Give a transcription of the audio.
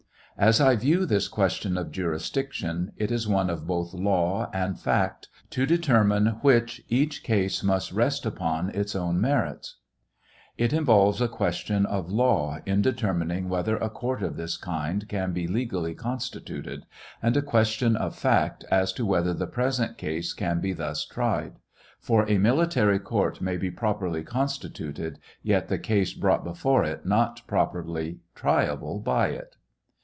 As I view this question of jurisdiction, it is one of both law and fact, to determine which each case must rest upon its own merits. It involves a question of law in determining whether a court of this kind can be legally constituted, and a question of fact as to whether the present case can be thus tried; for a military court may be properly constituted, yet the case brought before it not properly triable by it.